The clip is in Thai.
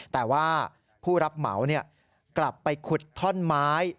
แต่ว่าผู้รับเหมากลับไปขุดท่อนไม้